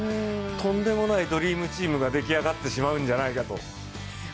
とんでもないドリームチームが出来上がってしまうんじゃないか。